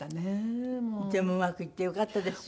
でもうまくいってよかったですよね。